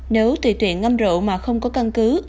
nếu tùy tiện ngâm rượu mà không có căn cứ